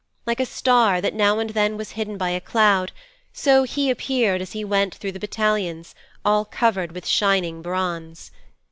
Like a star that now and then was hidden by a cloud, so he appeared as he went through the battalions, all covered with shining bronze.